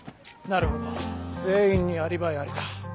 なるほど全員にアリバイありか。